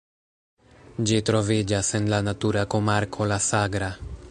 Ĝi troviĝas en la natura komarko La Sagra.